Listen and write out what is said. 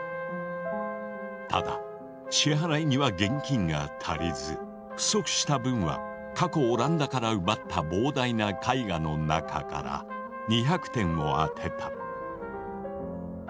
ただ支払いには現金が足りず不足した分は過去オランダから奪った膨大な絵画の中から２００点を充てた。